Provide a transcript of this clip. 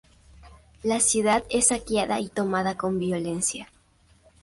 La ciudad es saqueada y tomada con violencia.